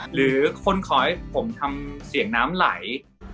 หรือคนขอให้ผมทำเสียงน้ำไหล